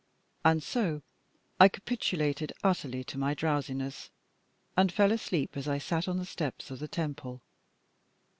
And so I capitulated utterly to my drowsiness, and fell asleep as I sat on the steps of the temple.